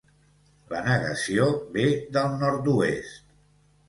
La negació ve del nord-oest.